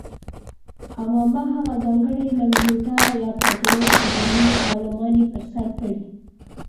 عمامه هغه ځانګړې لنګوټه یا پګړۍ چې دیني عالمان یې پر سر تړي.